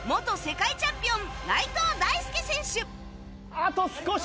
あと少し！